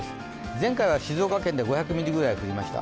前回は静岡県で５００ミリぐらい降りました。